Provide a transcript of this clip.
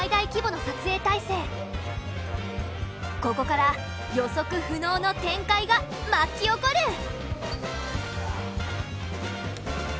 ここから予測不能の展開が巻き起こる。